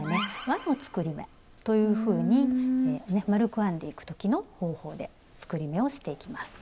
「わの作り目」というふうに丸く編んでいく時の方法で作り目をしていきます。